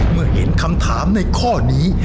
เมื่อเห็นคำถามในข้อนี้